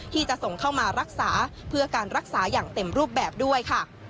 ที่จะส่งเข้ามารักษาเพื่อการรักษาอย่างเต็มรูปแบบด้วยค่ะ